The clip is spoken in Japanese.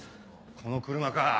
この車か。